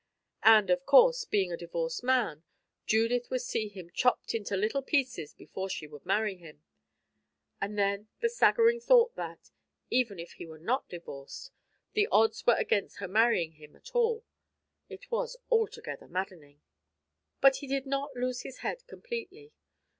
And, of course, being a divorced man, Judith would see him chopped into little pieces before she would marry him and then the staggering thought that, even if he were not divorced, the odds were against her marrying him at all it was altogether maddening. But he did not lose his head completely.